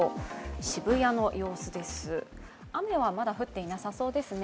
渋谷の様子です、雨はまだ降っていなさそうですね。